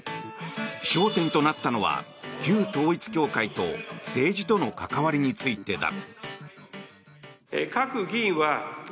焦点となったのは旧統一教会と政治との関わりについてだ。